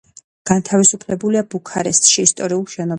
განთავსებულია ბუქარესტში, ისტორიულ შენობაში.